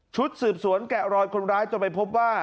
สืบสวนแกะรอยคนร้ายจนไปพบว่า